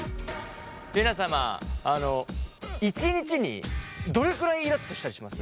皆様１日にどれくらいイラっとしたりします？